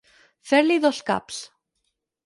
Fer-li dos caps.